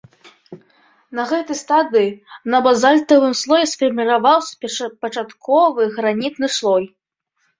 На гэтай стадыі на базальтавым слоі сфарміраваўся першапачатковы гранітны слой.